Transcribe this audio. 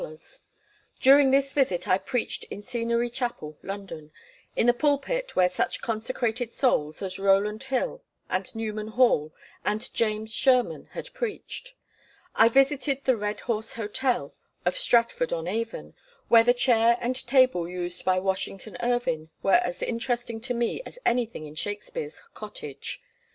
During this visit I preached in Scenery Chapel, London, in the pulpit where such consecrated souls as Rowland Hill and Newman Hall and James Sherman had preached. I visited the "Red Horse Hotel," of Stratford on Avon, where the chair and table used by Washington Irving were as interesting to me as anything in Shakespeare's cottage.